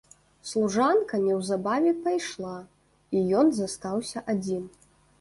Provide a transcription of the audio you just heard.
Служанка неўзабаве пайшла, і ён застаўся адзін.